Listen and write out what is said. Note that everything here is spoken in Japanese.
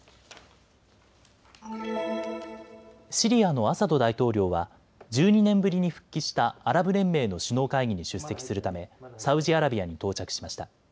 シリアのアサド大統領は１２年ぶりに復帰したアラブ連盟の首脳会議に出席するためサウジアラビアに到着しました。